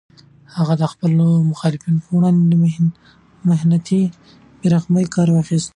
هغه د خپلو مخالفینو پر وړاندې له منتهی بې رحمۍ کار واخیست.